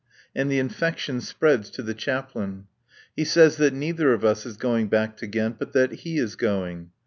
And the infection spreads to the Chaplain. He says that neither of us is going back to Ghent, but that he is going.